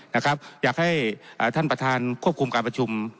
อยากให้ท่านประธานควบคุมการประชุม